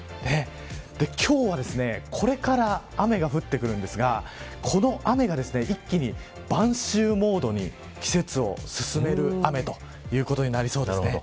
今日はこれから雨が降ってくるんですがこの雨が一気に晩秋モードに季節を進める雨ということになりそうです。